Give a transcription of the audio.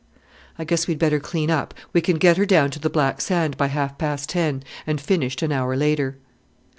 "I guess we'd better clean up; we can get her down to the black sand by half past ten and finished an hour later."